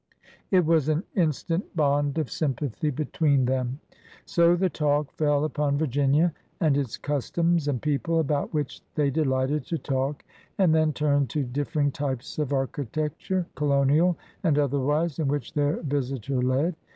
It was an instant bond of sympathy between them. So the talk fell upon Virginia and its customs and people, about which they delighted to talk, and then turned to differing types of architecture, colonial and otherwise, in which their visitor led.